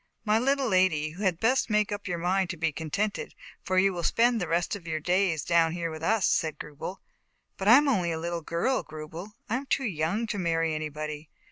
"My little lady, you had best make up your mind to be contented, for you ill spend the rest of your days down ere with us," said Grubel. "But I am only a little girl, Grubel. I am too young to marry anybody."